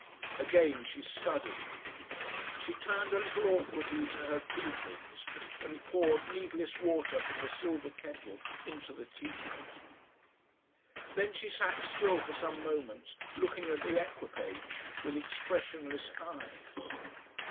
Again she studied me. She turned a little awkwardly to her tea things, and poured needless water from the silver kettle into the teapot. Then she sat still for some moments looking at the equipage with expressionless eyes.